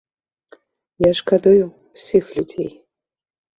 Я шкадую ўсіх людзей.